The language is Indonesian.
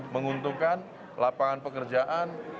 menguntungkan lapangan pekerjaan